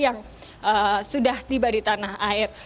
yang sudah tiba di tanah air